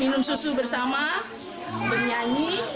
minum susu bersama bernyanyi